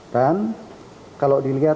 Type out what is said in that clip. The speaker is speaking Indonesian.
dan kalau dilihat